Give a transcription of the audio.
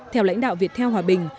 theo lãnh đạo việt theo hòa bình